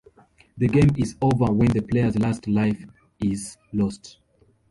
The game is over when the player's last life is lost.